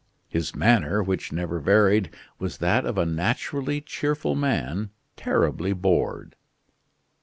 His manner, which never varied, was that of a naturally cheerful man terribly bored.